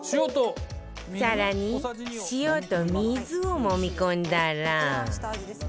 更に塩と水をもみ込んだら